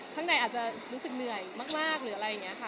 ค้างในอาจจะเหนื่อยมาก